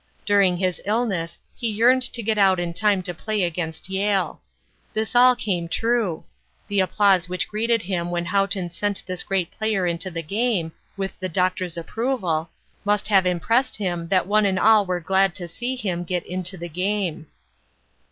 During his illness he yearned to get out in time to play against Yale. This all came true. The applause which greeted him when Haughton sent this great player into the game with the Doctor's approval must have impressed him that one and all were glad to see him get into the game.